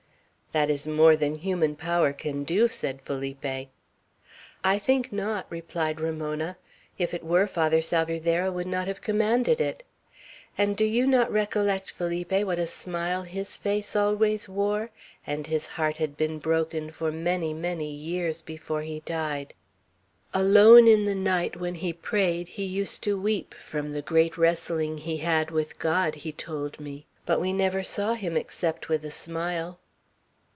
"That is more than human power can do!" said Felipe. "I think not," replied Ramona. "If it were, Father Salvierderra would not have commanded it. And do you not recollect, Felipe, what a smile his face always wore? and his heart had been broken for many, many years before he died. Alone, in the night, when he prayed, he used to weep, from the great wrestling he had with God, he told me; but we never saw him except with a smile.